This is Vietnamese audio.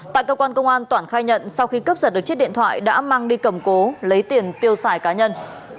tại cơ quan công an toản khai nhận sau khi cướp giật được chiếc điện thoại đã mang đi cầm cố lấy tiền tiêu xài cá nhân